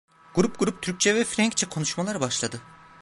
Grup grup Türkçe ve Frenkçe konuşmalar başladı.